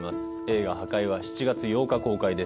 映画『破戒』は７月８日公開です。